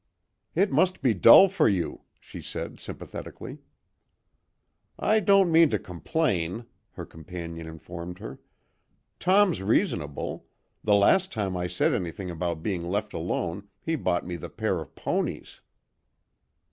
"It must be dull for you," she said sympathetically. "I don't mean to complain," her companion informed her. "Tom's reasonable; the last time I said anything about being left alone he bought me the pair of ponies."